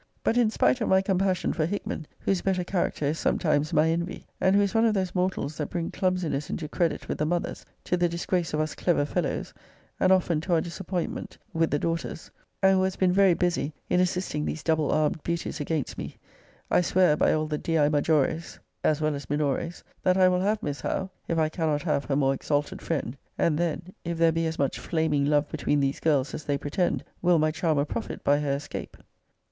But in spite of my compassion for Hickman, whose better character is sometimes my envy, and who is one of those mortals that bring clumsiness into credit with the mothers, to the disgrace of us clever fellows, and often to our disappointment, with the daughters; and who has been very busy in assisting these double armed beauties against me; I swear by all the dii majores, as well as minores, that I will have Miss Howe, if I cannot have her more exalted friend! And then, if there be as much flaming love between these girls as they pretend, will my charmer profit by her escape?